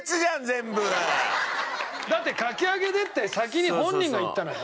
だってかき揚げでって先に本人が言ったのよ。